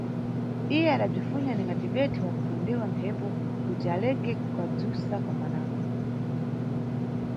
Iye adabzifunya ningati mʼbhedhe wakupopedwa mphepo kuti aleke kukadzusa kamwanako.